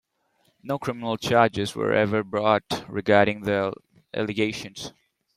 No criminal charges were ever brought regarding the allegations'